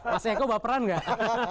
mas eko baperan nggak